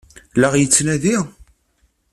La ɣ-yettnadi?